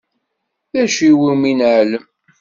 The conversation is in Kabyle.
D acu iwumi neɛlem?